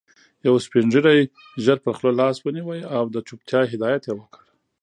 يو سپين ږيري ژر پر خوله لاس ونيو او د چوپتيا هدایت يې وکړ.